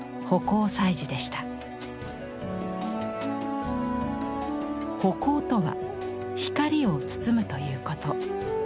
葆光とは光を包むということ。